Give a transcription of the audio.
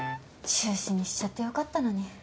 中止にしちゃって良かったのに。